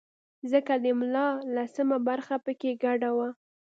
ځکه د ملا لسمه برخه په کې ګډه وه.